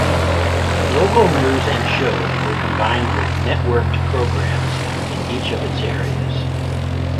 Local news and shows were combined with networked programmes in each of its areas.